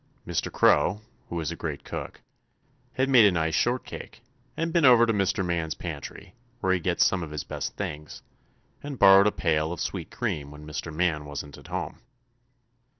Mr. Crow, who is a great cook, had made a nice shortcake, and been over to Mr. Man's pantry, where he gets some of his best things, and borrowed a pail of sweet cream when Mr. Man wasn't at home.